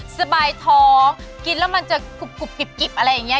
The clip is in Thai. สบายท้องกินแล้วมันจะกรุบกรุบกริบกริบอะไรอย่างเงี้ย